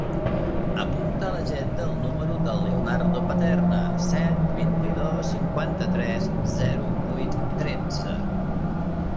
Apunta a l'agenda el número del Leonardo Paterna: set, vint-i-dos, cinquanta-tres, zero, vuit, tretze.